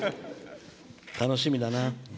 楽しみだな。